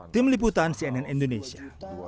tim liputan cnn indonesia